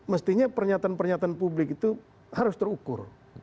mestinya pernyataan pernyataan publik itu harus terukur